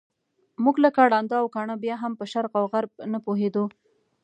موږ لکه ړانده او کاڼه بیا هم په شرق او غرب نه پوهېدو.